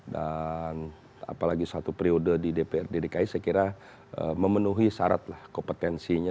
dan apalagi suatu periode di dki saya kira memenuhi syarat kompetensinya